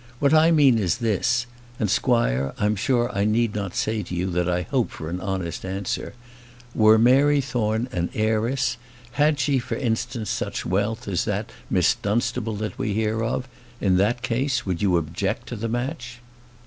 What I mean is this; and, squire, I'm sure I need not say to you that I hope for an honest answer, were Mary Thorne an heiress; had she, for instance, such wealth as that Miss Dunstable that we hear of; in that case would you object to the match?"